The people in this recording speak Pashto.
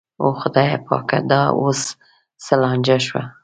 او خدایه پاکه دا اوس څه لانجه شوه.